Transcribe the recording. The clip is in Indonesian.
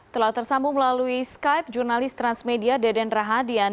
telah tersambung melalui skype jurnalis transmedia deden rahadian